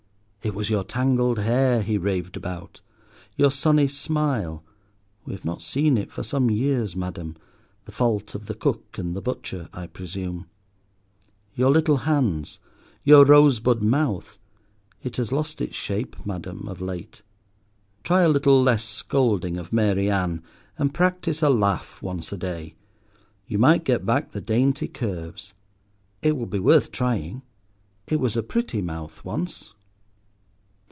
It was your tangled hair he raved about, your sunny smile (we have not seen it for some years, Madam—the fault of the Cook and the Butcher, I presume), your little hands, your rosebud mouth—it has lost its shape, Madam, of late. Try a little less scolding of Mary Ann, and practise a laugh once a day: you might get back the dainty curves. It would be worth trying. It was a pretty mouth once.